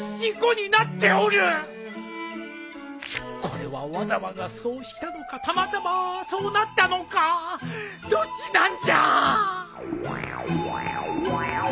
これはわざわざそうしたのかたまたまそうなったのかどっちなんじゃ！